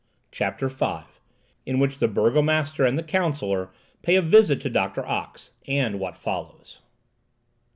CHAPTER V. IN WHICH THE BURGOMASTER AND THE COUNSELLOR PAY A VISIT TO DOCTOR OX, AND WHAT FOLLOWS.